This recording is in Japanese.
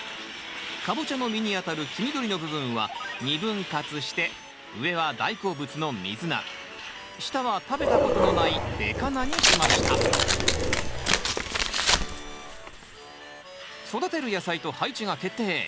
カボチャの実にあたる黄緑の部分は２分割して上は大好物のミズナ下は食べたことのないべカナにしました育てる野菜と配置が決定。